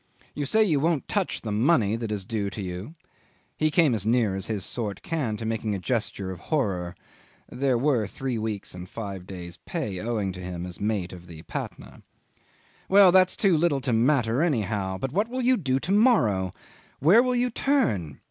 "You say you won't touch the money that is due to you." ... He came as near as his sort can to making a gesture of horror. (There were three weeks and five days' pay owing him as mate of the Patna.) "Well, that's too little to matter anyhow; but what will you do to morrow? Where will you turn?